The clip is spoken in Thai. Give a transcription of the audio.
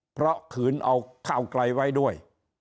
เพราะขืนเอาข้าวไกลไว้ด้วย